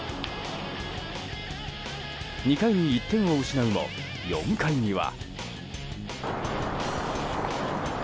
２回に１点を失うも４回には。